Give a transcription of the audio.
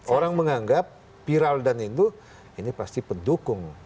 orang menganggap piraul dan indu ini pasti pendukung